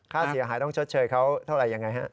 ค่าเสียหายต้องชดเชยเขาเท่าไหร่ยังไงฮะ